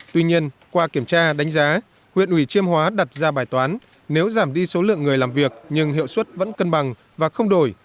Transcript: tuy nhiên qua kiểm tra đánh giá huyện ủy chiêm hóa đặt ra bài toán nếu giảm đi số lượng người làm việc nhưng hiệu suất vẫn cân bằng và không đổi